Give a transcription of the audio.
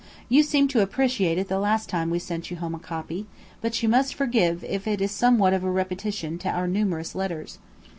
You seemed to appreciate it the last time we sent you home a copy, but you must forgive if it is somewhat of a repetition to our numerous letters.